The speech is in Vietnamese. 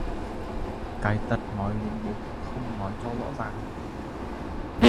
Cái tật nói lúng búng, không nói cho rõ ràng